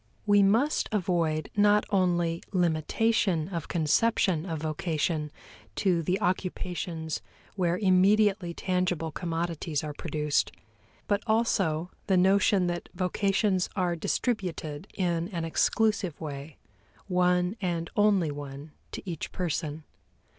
We must avoid not only limitation of conception of vocation to the occupations where immediately tangible commodities are produced, but also the notion that vocations are distributed in an exclusive way, one and only one to each person.